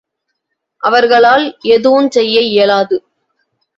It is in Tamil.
அவர்களால் எதுவுஞ் செய்ய இயலாது.